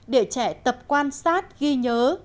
để trẻ tập quan sát ghi nhớ